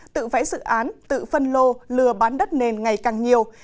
tự vẽ dự án tự phân lô lừa bán đất nền ngày càng nhiều